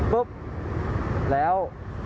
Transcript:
ปุ๊บแล้ว